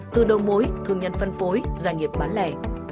từ đầu mối thương nhân phân phối doanh nghiệp bán lẻ